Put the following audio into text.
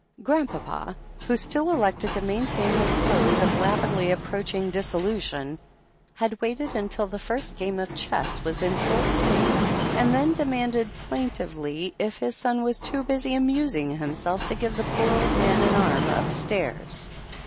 Grandpapa, who still elected to main tain his pose of rapidly approaching dissolution, had waited until the first game of chess was in full swing, and then demanded plaintively if his son was too busy amusing himself to give the poor old man an arm upstairs.